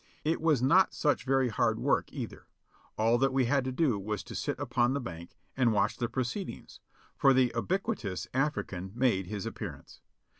It was not such very hard work either; all that we had to do was to sit upon the bank and watch the proceedings, for the ubiquitous African made his appear ance.